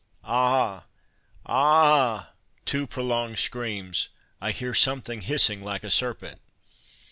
—Ah! ah!"—(two prolonged screams)—"I hear something hissing like a serpent."